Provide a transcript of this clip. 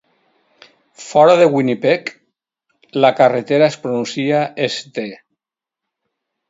Fora de Winnipeg, la carretera es pronuncia "Ste."